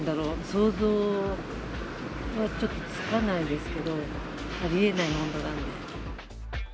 想像はちょっとつかないですけど、ありえない温度なので。